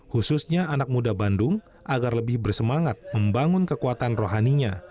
khususnya anak muda bandung agar lebih bersemangat membangun kekuatan rohaninya